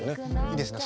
いいですね